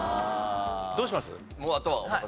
どうします？